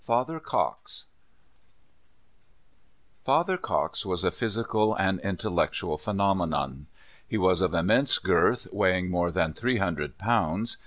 FATHER COX lATHER COX was a physical and intel lectual phenomenon. He was of immense ^^^^ girth, weighing more than three hundred pounds.